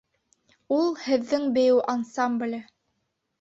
Ул һеҙҙең бейеү ансамбле!